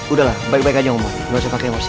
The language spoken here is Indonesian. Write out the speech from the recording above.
udahlah baik baik aja ngomong nggak usah pakai emosi